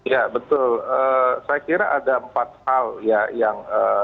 ya betul saya kira ada empat hal ya yang